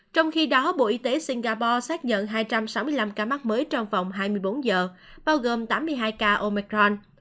trong khi đó bộ y tế singapore xác nhận hai trăm sáu mươi năm ca mắc mới trong vòng hai mươi bốn giờ bao gồm tám mươi hai ca omecron